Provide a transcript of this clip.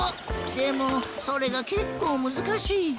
でもそれがけっこうむずかしい。